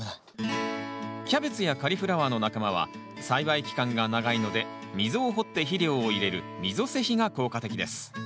キャベツやカリフラワーの仲間は栽培期間が長いので溝を掘って肥料を入れる溝施肥が効果的です。